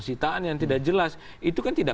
sitaan yang tidak jelas itu kan tidak